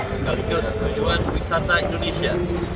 sekaligus tujuan wisata indonesia